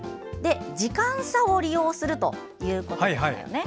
時間差を利用するということでしたよね。